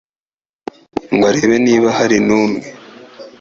ngo arebe niba hari n’umwe